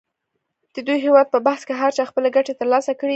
د دې هویت پر بحث کې هر چا خپلې ګټې تر لاسه کړې دي.